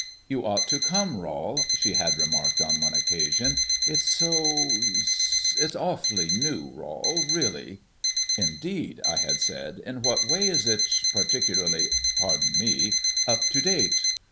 "You ought to come, Rol," she had remarked on one occasion. "It's so it's awfully new, Rol, really." "Indeed?" I had said. "In what way is it particularly pardon me up to date?"